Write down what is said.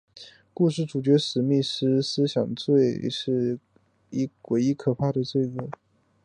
故事主角史密斯亦称思想罪是唯一可怕的罪恶。